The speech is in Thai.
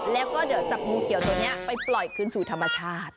แล้วก็เดี๋ยวจับงูเขียวตัวนี้ไปปล่อยคืนสู่ธรรมชาติ